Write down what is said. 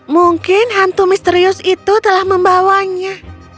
mungkin hantu misterius itu telah membawanya